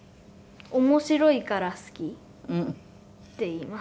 「面白いから好き」って言いますね。